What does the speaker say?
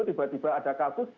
tiba tiba ada kasus